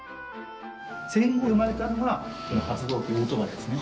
戦後生まれたのがこの発動機オートバイですね。